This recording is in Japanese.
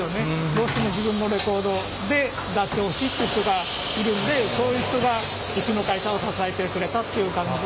どうしても自分のレコードで出してほしいっていう人がいるんでそういう人がうちの会社を支えてくれたっていう感じで。